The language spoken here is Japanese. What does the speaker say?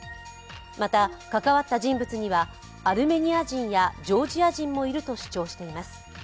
また、関わった人物にはアルメニア人やジョージア人もいるとしています。